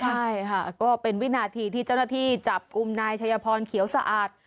ใช่ค่ะก็เป็นวินาทีที่เจ้าหน้าที่จับกลุ่มนายชัยพรเขียวสะอาด